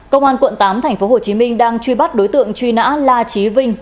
công an quận tám tp hcm đang truy bắt đối tượng truy nã la trí vinh